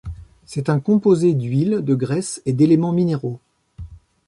C'est un composé d'huiles, de graisse et d'éléments minéraux.